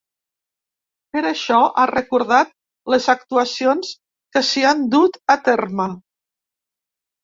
Per això ha recordat les actuacions que s’hi han dut a terme.